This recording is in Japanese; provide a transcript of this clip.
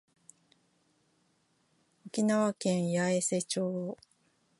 沖縄県八重瀬町